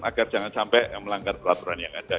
agar jangan sampai melanggar peraturan yang ada